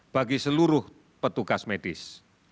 bagi seluruh petugas medis